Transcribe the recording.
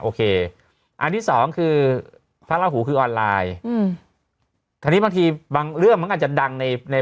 โอเคอันที่สองคือพระราหูคือออนไลน์อืมคราวนี้บางทีบางเรื่องมันอาจจะดังในใน